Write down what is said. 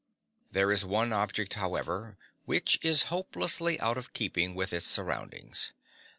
There is one object, however, which is hopelessly out of keeping with its surroundings.